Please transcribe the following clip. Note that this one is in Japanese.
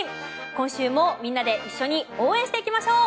今週もみんなで一緒に応援していきましょう。